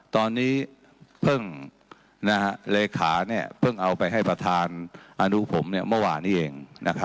ตอนนี้เพิ่งเลขาเพิ่งเอาไปให้ประธานอนุผมเมื่อวานนี้เอง